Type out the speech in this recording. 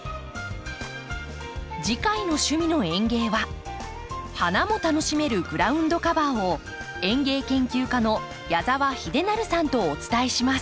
次回の「趣味の園芸」は花も楽しめるグラウンドカバーを園芸研究家の矢澤秀成さんとお伝えします。